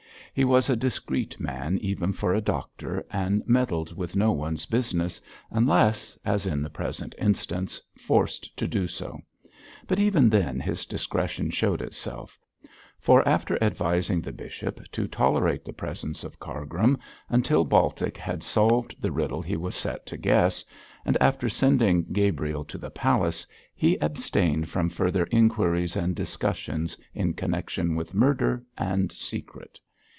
He was a discreet man even for a doctor, and meddled with no one's business, unless as in the present instance forced to do so. But even then his discretion showed itself; for after advising the bishop to tolerate the presence of Cargrim until Baltic had solved the riddle he was set to guess, and after sending Gabriel to the palace, he abstained from further inquiries and discussions in connection with murder and secret.